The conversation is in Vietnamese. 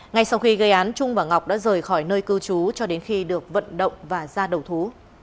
ngay sau khi gây án trung và ngọc đã rời khỏi nơi cư trú cho đến khi được vận động và ra đầu thú